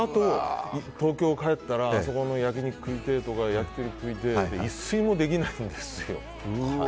東京に帰ったらあそこの焼き肉食いてえとか焼き鳥食いてえで一睡もできないんですよ。